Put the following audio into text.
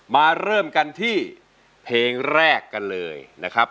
มาเริ่มกันที่เพลงแรกกันเลยนะครับ